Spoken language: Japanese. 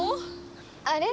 あれ？